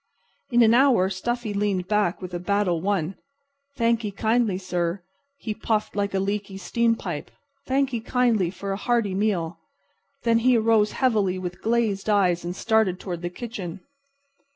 In an hour Stuffy leaned back with a battle won. "Thankee kindly, sir," he puffed like a leaky steam pipe; "thankee kindly for a hearty meal." Then he arose heavily with glazed eyes and started toward the kitchen.